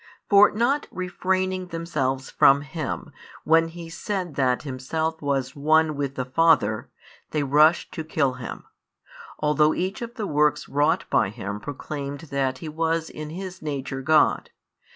For not refraining themselves from Him, when He said that Himself was One with the Father, they rush to kill Him; although each of the works wrought by Him proclaimed that He was in His Nature God.